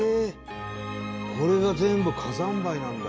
これが全部火山灰なんだ。